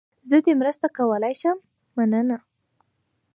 زه دې مرسته کولای شم، مننه.